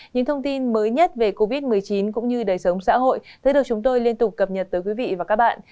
những thông tin mới nhất về covid một mươi chín cũng như đời sống xã hội sẽ được chúng tôi liên tục cập nhật tới quý vị và các bạn